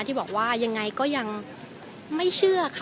ที่บอกว่ายังไงก็ยังไม่เชื่อค่ะ